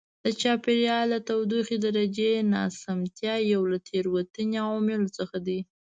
د چاپېریال د تودوخې درجې ناسمتیا یو له تېروتنې عواملو څخه دی.